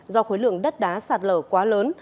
do khối lượng đất đá sạt lở quá lớn